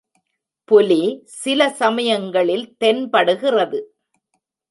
புலி சில சமயங்களில் தென்படுகிறது.